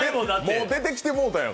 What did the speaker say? もう、出てきてもうたやん。